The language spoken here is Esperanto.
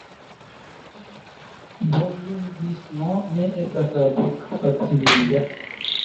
Bonlingvismo ne estas traduk-faciliga.